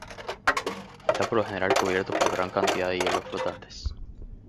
Está por lo general cubierto por gran cantidad de hielos flotantes.